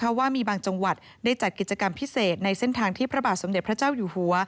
เพราะว่ามีบางจังหวัดได้จัดกิจกรรมพิเศษในเส้นทางที่พระบาทสมเด็จพระเจ้าอยู่หัว